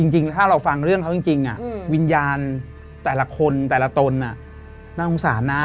จริงถ้าเราฟังเรื่องเขาจริงวิญญาณแต่ละคนแต่ละตนน่าสงสารนะ